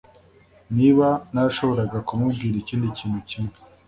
niba narashobora kumubwira ikindi kintu kimwe